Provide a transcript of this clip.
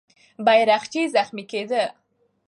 بیرغچی زخمي کېده.